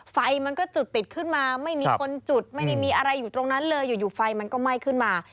ไฟมันก็จุดติดขึ้นมาไม่มีคนจุดไม่ได้มีอะไรอยู่ตรงนั้นเลยอยู่ไฟมันก็ไหม้ขึ้นมา